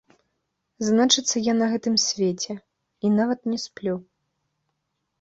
Значыцца, я на гэтым свеце і нават не сплю.